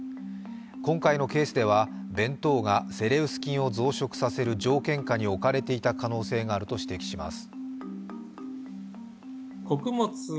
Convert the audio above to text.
今回のケースでは弁当がセレウス菌を増殖させる条件下に置かれていた可能性があると指摘しています。